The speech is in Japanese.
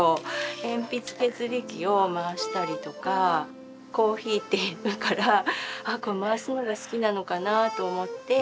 鉛筆削り器を回したりとかコーヒーって言うから回すのが好きなのかなと思って。